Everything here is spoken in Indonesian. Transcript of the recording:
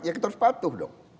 ya kita harus patuh dong